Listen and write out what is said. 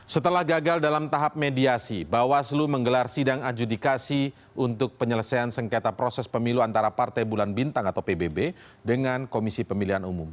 setelah gagal dalam tahap mediasi bawaslu menggelar sidang adjudikasi untuk penyelesaian sengketa proses pemilu antara partai bulan bintang atau pbb dengan komisi pemilihan umum